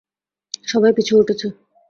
সবাই পিছু হটেছে।